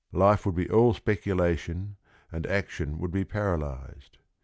Life would be all specu lation, and action would be paralyzed.